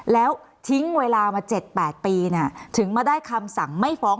แล้วทิ้งเวลามาเจ็ดแปดปีเนี่ยถึงมาได้คำสั่งไม่ฟ้อง